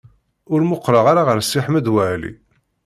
Ur muqleɣ ara ɣer Si Ḥmed Waɛli.